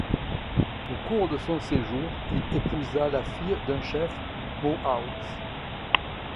Au cours de son séjour, il épousa la fille d'un chef Mohawks.